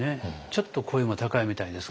ちょっと声も高いみたいですけど。